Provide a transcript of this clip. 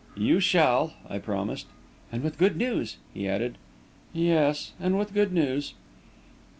"You shall," I promised. "And with good news," he added. "Yes and with good news."